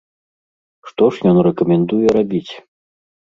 Што ж ён рэкамендуе рабіць?